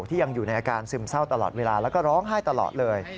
ที่ยังอยู่ในอาการซึมเศร้าตลอดเวลาแล้วก็ร้องไห้ตลอดเลย